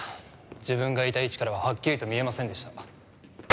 自分がいた位置からははっきりと見えませんでした。